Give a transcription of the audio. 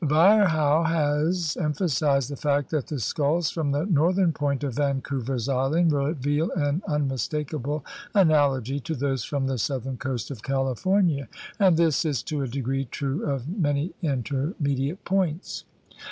Virchow has em phasized the fact that the skulls from the northern point of Vancouver's Island reveal an unmistakable analogy to those from the southern coast of California; and this is to a degree true of many intermediate points.